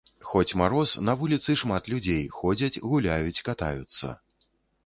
Хоць мароз, на вуліцы шмат людзей, ходзяць, гуляюць, катаюцца.